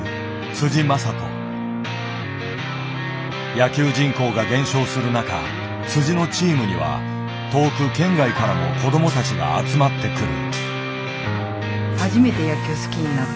野球人口が減少する中のチームには遠く県外からも子どもたちが集まってくる。